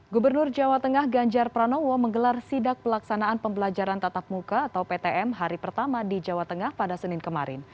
gubernur jawa tengah ganjar pranowo menggelar sidak pelaksanaan pembelajaran tatap muka atau ptm hari pertama di jawa tengah pada senin kemarin